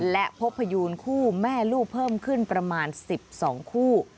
และพบพยูนคู่แม่ลูกเพิ่มขึ้นประมาณ๑๒คู่